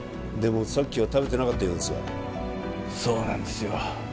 でもさっきは食べてなかったようですがそうなんですよ